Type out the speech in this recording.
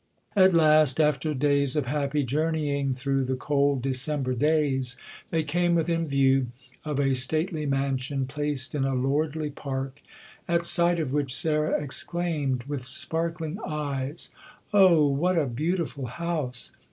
At last, after days of happy journeying through the cold December days, they came within view of a stately mansion placed in a lordly park, at sight of which Sarah exclaimed, with sparkling eyes, "Oh, what a beautiful house!"